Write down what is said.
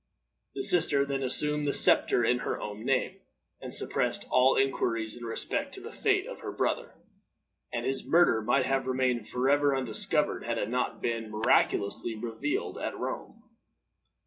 The sister then assumed the scepter in her own name, and suppressed all inquiries in respect to the fate of her brother; and his murder might have remained forever undiscovered, had it not been miraculously revealed at Rome.